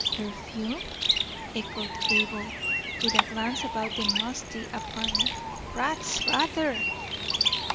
"Perfume?" echoed Abel, with a glance about the musty apartment. "Rats, rather."